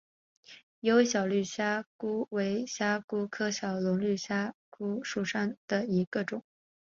疣尾小绿虾蛄为虾蛄科小绿虾蛄属下的一个种。